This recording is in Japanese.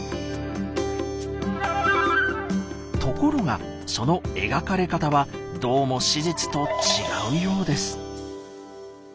ところがその描かれ方はどうも史実と違うようです。